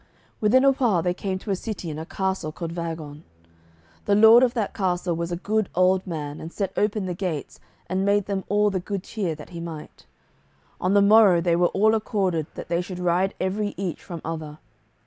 Within a while they came to a city and a castle called Vagon. The lord of that castle was a good old man and set open the gates, and made them all the good cheer that he might. On the morrow they were all accorded that they should ride every each from other.